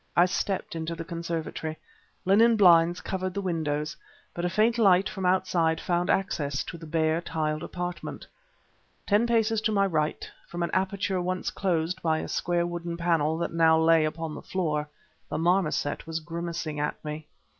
I stepped into the conservatory. Linen blinds covered the windows, but a faint light from outside found access to the bare, tiled apartment. Ten paces on my right, from an aperture once closed by a square wooden panel that now lay upon the floor, the marmoset was grimacing at me.